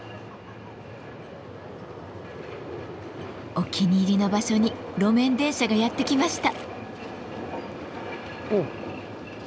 お気に入りの場所に路面電車がやって来ました。